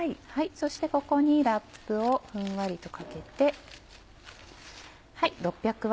そしてここにラップをふんわりとかけて。